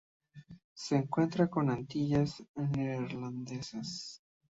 Se encuentra en las Antillas Neerlandesas.